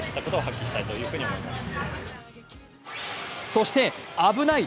そして、危ない！